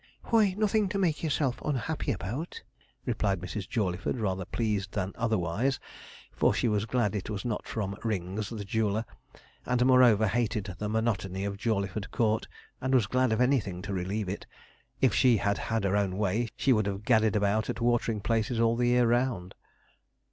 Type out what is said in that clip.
'Why, nothing to make yourself unhappy about,' replied Mrs. Jawleyford, rather pleased than otherwise; for she was glad it was not from Rings, the jeweller, and, moreover, hated the monotony of Jawleyford Court, and was glad of anything to relieve it. If she had had her own way, she would have gadded about at watering places all the year round.